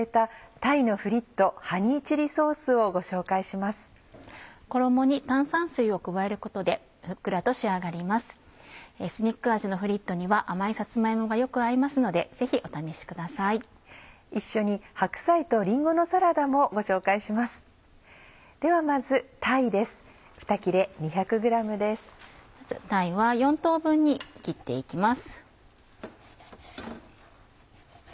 鯛は４等分に切って行きます。